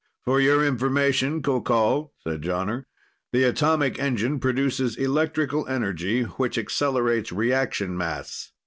"For your information, Qoqol," said Jonner, "the atomic engine produces electrical energy, which accelerates reaction mass.